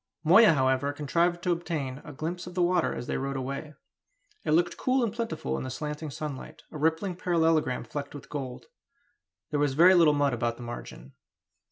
Moya, however, contrived to obtain a glimpse of the water as they rode away. It looked cool and plentiful in the slanting sunlight a rippling parallelogram flecked with gold. There was very little mud about the margin.